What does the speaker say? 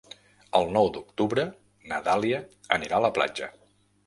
El nou d'octubre na Dàlia anirà a la platja.